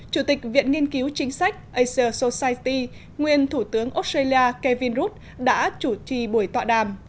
chủ tịch viện nghiên cứu chính sách asia society nguyên thủ tướng australia kevin root đã chủ trì buổi tọa đàm